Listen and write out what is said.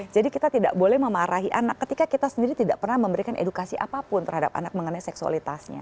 jadi kita tidak boleh memarahi anak ketika kita sendiri tidak pernah memberikan edukasi apapun terhadap anak mengenai seksualitasnya